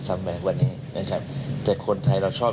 และสังคมจะไม่หยอกรับ